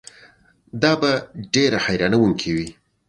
دا به ډېره حیرانوونکې وي.